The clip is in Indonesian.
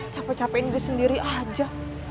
capek capekin diri sendiri aja